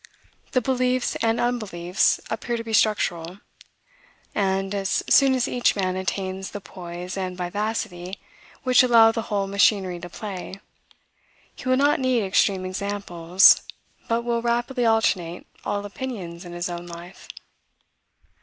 The beliefs and unbeliefs appear to be structural; and, as soon as each man attains the poise and vivacity which allow the whole machinery to play, he will not need extreme examples, but will rapidly alternate all opinions in his own life.